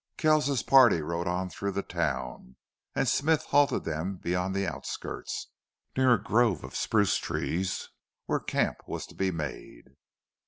Kell's party rode on through the town, and Smith halted them beyond the outskirts, near a grove of spruce trees, where camp was to be made.